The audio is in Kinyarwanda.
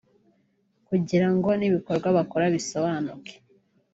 kugira ngo n’ibikorwa bakora bisobanuke